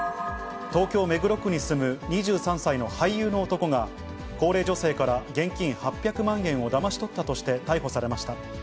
東京・目黒区に住む２３歳の俳優の男が高齢女性から現金８００万円をだまし取ったとして逮捕されました。